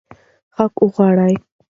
حق وغواړئ.